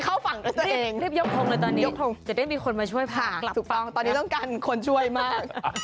เข้าฝั่งกันซะเองรีบยกทงเลยตอนนี้ยกทงจะได้มีคนมาช่วยพากลับถูกต้องตอนนี้ต้องการคนช่วยมาก